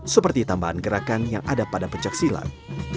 seperti tambahan gerakan yang ada pada pecah silang